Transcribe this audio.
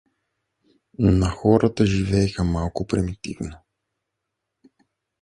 Но хората живееха малко примитивно.